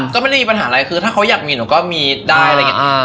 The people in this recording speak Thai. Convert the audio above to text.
ก็ไม่ได้มีปัญหาอะไรคือถ้าเขาอยากมีหนูก็มีได้อะไรอย่างนี้